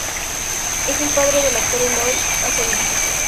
Es el padre del actor Eloy Azorín.